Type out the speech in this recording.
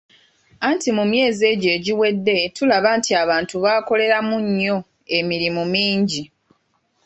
Anti mu myezi egyo egiwedde tulaba nti abantu bakoleramu nnyo emirimu mingi.